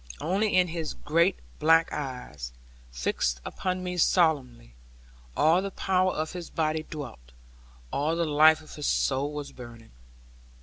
Only in his great black eyes, fixed upon me solemnly, all the power of his body dwelt, all the life of his soul was burning.